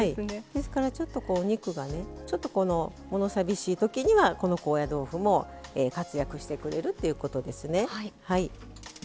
ですからちょっとお肉がねちょっと物寂しいときにはこの高野豆腐も活躍してくれるっていうことですね。